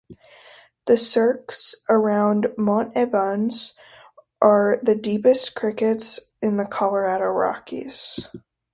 The cirques around Mount Evans are the deepest cirques in the Colorado Rockies.